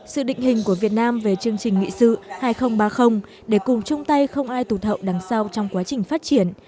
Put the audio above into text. sự định hình của việt nam về chương trình nghị sự hai nghìn ba mươi để cùng chung tay không ai tụt hậu đằng sau trong quá trình phát triển